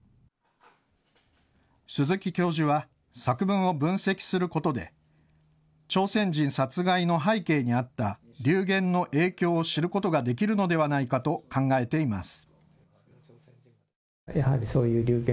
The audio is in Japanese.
鈴木教授は作文を分析することで朝鮮人殺害の背景にあった流言の影響を知ることができるのではないかと考えています。